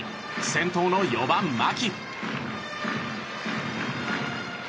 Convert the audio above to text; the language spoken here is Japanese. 先頭の４番、牧。